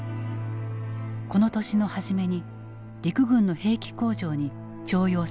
この年の初めに陸軍の兵器工場に徴用されていた。